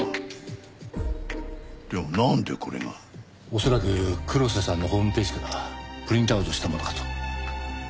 恐らく黒瀬さんのホームページからプリントアウトしたものかと。